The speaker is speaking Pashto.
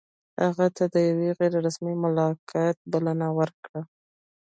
هغه ته د یوه غیر رسمي ملاقات بلنه ورکړه.